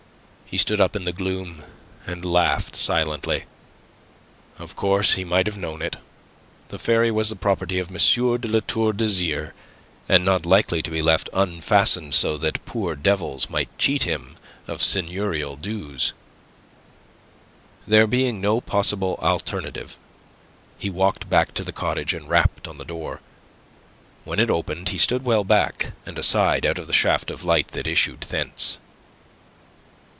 He stood up in the gloom and laughed silently. Of course he might have known it. The ferry was the property of M. de La Tour d'Azyr, and not likely to be left unfastened so that poor devils might cheat him of seigneurial dues. There being no possible alternative, he walked back to the cottage, and rapped on the door. When it opened, he stood well back, and aside, out of the shaft of light that issued thence.